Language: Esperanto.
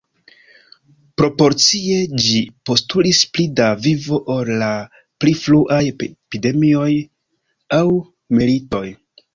Proporcie, ĝi postulis pli da vivo ol la pli fruaj epidemioj aŭ militoj.